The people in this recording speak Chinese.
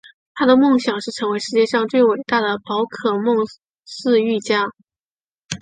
他的梦想是成为世界上最伟大的宝可梦饲育家。